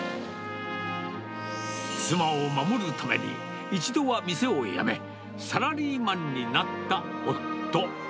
妻を守るために、一度は店を辞め、サラリーマンになった夫。